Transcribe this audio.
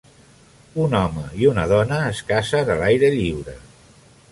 Un home i una dona es casen a l'aire lliure.